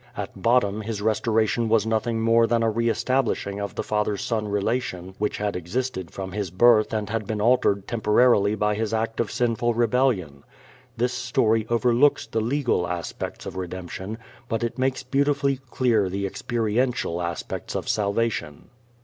At bottom his restoration was nothing more than a re establishing of the father son relation which had existed from his birth and had been altered temporarily by his act of sinful rebellion. This story overlooks the legal aspects of redemption, but it makes beautifully clear the experiential aspects of salvation.